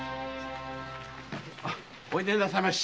おいでなさいまし。